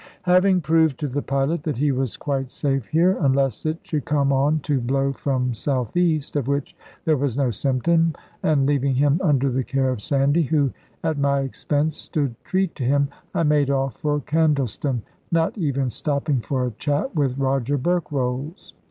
Having proved to the pilot that he was quite safe here, unless it should come on to blow from south east, of which there was no symptom, and leaving him under the care of Sandy, who at my expense stood treat to him, I made off for Candleston, not even stopping for a chat with Roger Berkrolles.